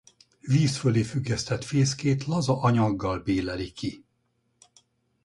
Víz fölé függesztett fészkét laza anyaggal béleli ki.